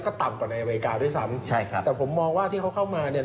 ก็ต่ำกว่าในอเมริกาด้วยซ้ำใช่ครับแต่ผมมองว่าที่เขาเข้ามาเนี่ย